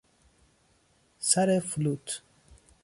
سر فلوت